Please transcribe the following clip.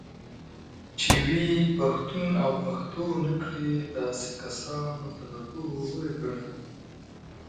چې وي پښتون اوپښتونكړي داسې كسانوته به ګورې كړنګونه